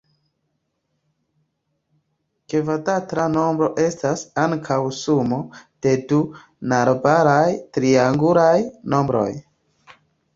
Kvadrata nombro estas ankaŭ sumo de du najbaraj triangulaj nombroj.